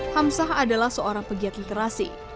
hamsah adalah seorang pegiat literasi